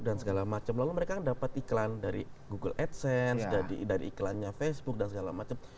dan segala macam lalu mereka dapat iklan dari google adsense dari iklannya facebook dan segala macam